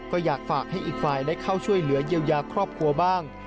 ก็อยากฝากให้อีกฝ่ายได้เข้าช่วยเหลือเยียวยาครอบครัวบ้าง